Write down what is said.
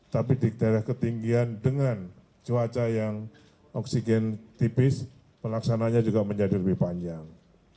tapi di daerah ketinggian dengan cuaca yang oksigen tipis pelaksananya juga menjadi lebih panjang